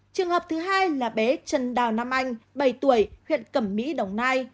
trường hợp thứ hai là bé trần đào nam anh bảy tuổi huyện cẩm mỹ đồng nai